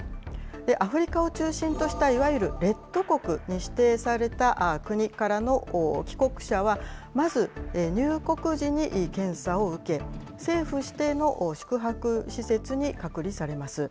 アフリカを中心としたいわゆるレッド国に指定された国からの帰国者は、まず入国時に検査を受け、政府指定の宿泊施設に隔離されます。